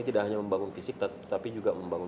tidak hanya membangun fisik tapi juga membangun